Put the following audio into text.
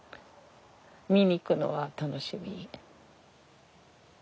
見に行くのが楽しみ。